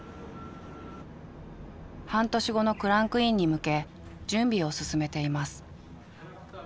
半年後のクランクインに向け準備を進めています。